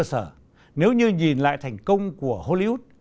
cơ sở nếu như nhìn lại thành công của hollywood